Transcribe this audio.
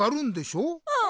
うん。